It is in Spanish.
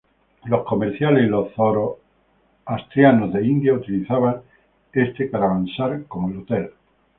Los comerciantes y los zoroastrianos de India utilizaban este caravasar como el hotel.